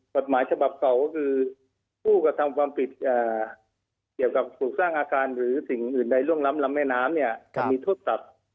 กฎหมายฉบับของกฎหมายฉบับ